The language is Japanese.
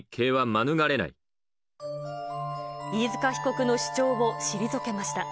飯塚被告の主張を退けました。